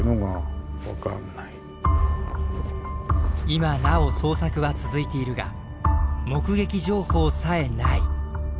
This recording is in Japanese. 今なお捜索は続いているが目撃情報さえない。